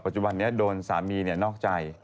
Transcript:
จุบันนี้โดนสามีนอกใจ